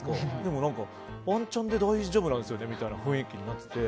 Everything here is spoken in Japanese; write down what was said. でも、ワンチャンで大丈夫なんですよみたいな雰囲気になって。